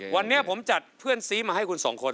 วันนี้ผมจัดเพื่อนซีมาให้คุณสองคน